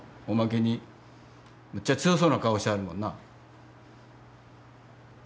おまけにむっちゃ強そうな顔してはるもんな。